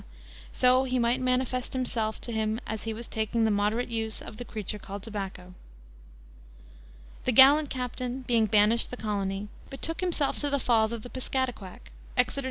so he might manifest himself to him as he was taking the moderate use of the creature called tobacco." The gallant captain, being banished the colony, betook himself to the falls of the Piscataquack (Exeter, N.